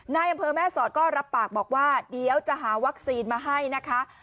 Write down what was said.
ในอำเภอแม่สอดก็รับปากบอกว่าเดี๋ยวจะหาวัคซีนมาให้นะคะ